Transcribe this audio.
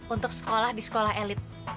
untuk sekolah di sekolah elit